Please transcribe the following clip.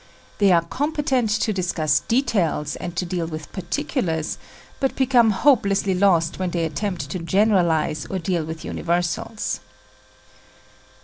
They are competent to discuss details and to deal with particulars, but become hopelessly lost when they attempt to generalize or deal with universals.